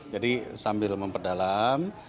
jadi sambil memperdalam